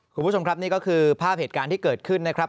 คุณผู้ชมครับนี่ก็คือภาพเหตุการณ์ที่เกิดขึ้นนะครับ